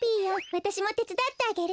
わたしもてつだってあげる。